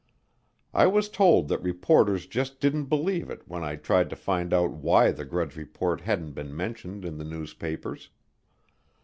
I was told that reporters just didn't believe it when I tried to find out why the Grudge Report hadn't been mentioned in the newspapers.